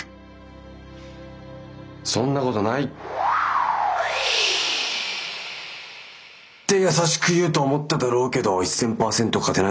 そんなことない。って優しく言うと思っただろうけど１，０００％勝てないだろうな。